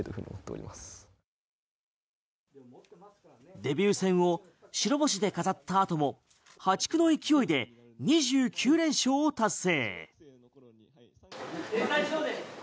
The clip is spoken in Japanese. デビュー戦を白星で飾ったあとも破竹の勢いで２９連勝を達成。